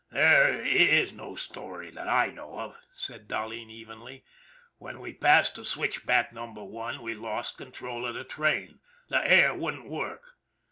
" There is no story that I know of," said Dahleen evenly. " After we passed switch back number one we lost control of the train the ' air ' wouldn't work."